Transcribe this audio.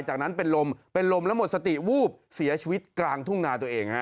จากนั้นเป็นลมเป็นลมแล้วหมดสติวูบเสียชีวิตกลางทุ่งนาตัวเองฮะ